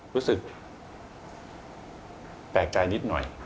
รู้สึกแปลกใจนิดหน่อย